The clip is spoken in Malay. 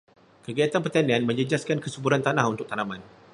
Kegiatan pertanian menjejaskan kesuburan tanah untuk tanaman.